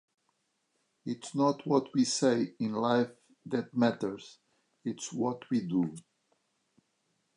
It’s not what we say in life that matters. It’s what we do.